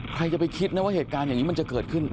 ใครจะไปคิดนะว่าเหตุการณ์อย่างนี้มันจะเกิดขึ้น